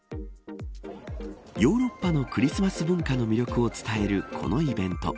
ヨーロッパのクリスマス文化の魅力を伝えるこのイベント。